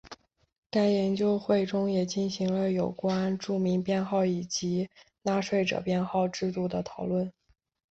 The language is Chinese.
该研究会中也进行了有关住民编号以及纳税者编号制度的讨论。